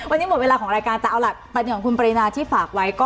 วันนี้หมดเวลาของรายการจะเอาหลักปัจจุของคุณปริณาที่ฝากไว้